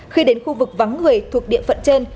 khi đến khu vực vắng người thuộc địa phận trên